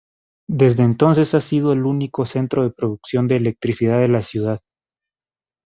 Desde entonces ha sido el único centro de producción de electricidad de la ciudad.